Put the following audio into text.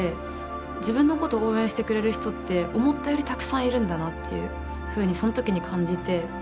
自分のこと応援してくれる人って思ったよりたくさんいるんだなっていうふうにその時に感じて。